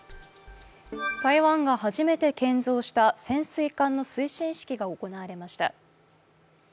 台湾が初めて建造した潜水艦の進水式が行われました。